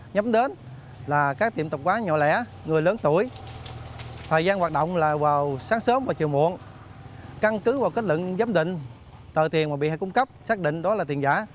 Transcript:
nhắm đến là các tiệm tập quán nhỏ lẻ người lớn tuổi thời gian hoạt động là vào sáng sớm và chiều muộn căn cứ vào kết luận giám định tờ tiền mà bị hại cung cấp xác định đó là tiền giả